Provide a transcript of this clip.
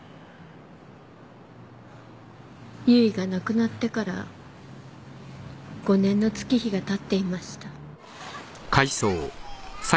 結衣が亡くなってから５年の月日がたっていました。